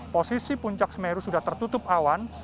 posisi puncak semeru sudah tertutup awan